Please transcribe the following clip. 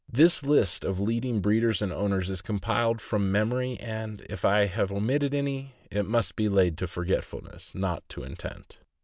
This list of leading breeders and owners is compiled from memory, and if I have omitted any, it must be laid to f orgetf ulness, not to intent.